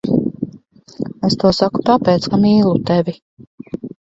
Es to saku tāpēc, ka mīlu tevi.